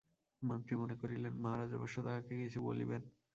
মন্ত্রী মনে করিলেন, মহারাজ অবশ্য তাঁহাকে কিছু বলিবেন।